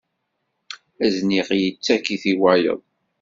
Azniq yettak-it i wayeḍ.